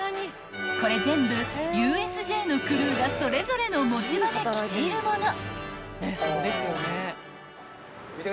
［これ全部ＵＳＪのクルーがそれぞれの持ち場で着ているもの］